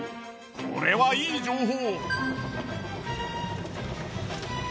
これはいい情報。